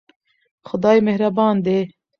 خدای مهربان دی.